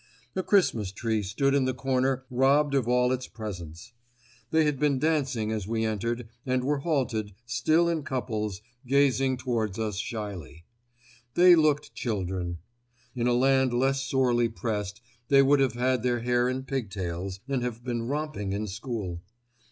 A Christmas tree stood in the corner robbed of all its presents. They had been dancing as we entered and were halted, still in couples, gazing towards us shyly. They looked children. In a land less sorely pressed, they would have had their hair in pigtails and have been romping in school.